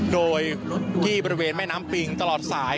โดยที่บริเวณแม่น้ำปิงตลอดสาย